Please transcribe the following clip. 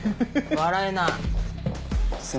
笑えない。